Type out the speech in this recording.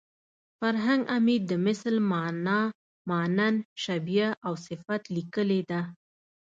فرهنګ عمید د مثل مانا مانند شبیه او صفت لیکلې ده